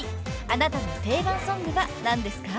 ［あなたの定番ソングは何ですか？］